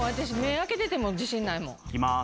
いきます。